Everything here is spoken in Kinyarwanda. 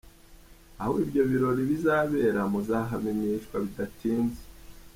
Aho ibyo birori bizabera muzahamenyeshwa bidatinze.